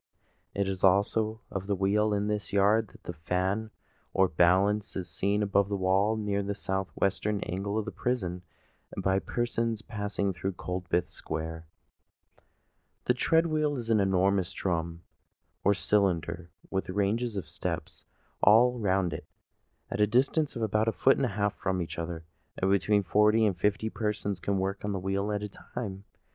It is also of the wheel in this yard that the fan, or balance, is seen above the wall near the south western angle of the prison, by persons passing through Coldbath Square. The tread wheel is an enormous drum, or cylinder, with ranges of steps all round it, at a distance of about a foot and a half from each other. Between forty and fifty persons can work on the wheel at one time.